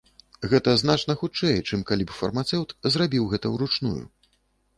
Гэта значна хутчэй, чым калі б фармацэўт зрабіў гэта ўручную.